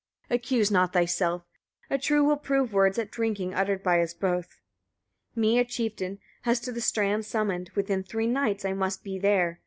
33. Accuse not thyself; true will prove words at drinking uttered by us both. Me a chieftain has to the strand summoned; within three nights I must be there.